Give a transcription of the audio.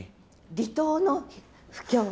離島の布教。